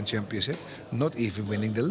bahkan tidak menangkan peringkat di inggris